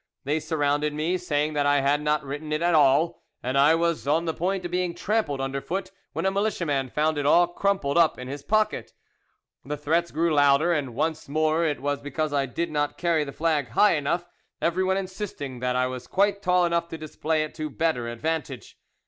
They surrounded me, saying that I had not written it at all, and I was on the point of being trampled underfoot, when a militiaman found it all crumpled up in his pocket. The threats grew louder, and once more it was because I did not carry the flag high enough, everyone insisting that I was quite tall enough to display it to better advantage.